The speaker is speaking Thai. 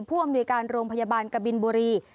ผู้อำนวยการโรงพยาบาลกบินบุรี